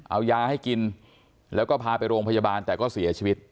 เอายาให้กินแล้วก็พาไปโรงพยาบาลแต่ก็เสียชีวิต